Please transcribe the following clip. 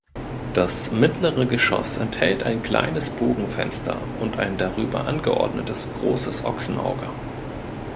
Das mittlere Geschoss enthält ein kleines Bogenfenster und ein darüber angeordnetes großes Ochsenauge.